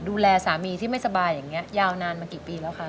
ดูแลสามีที่ไม่สบายอย่างนี้ยาวนานมากี่ปีแล้วคะ